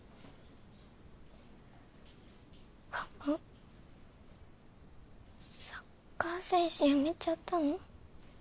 パパサッカー選手辞めちゃったの？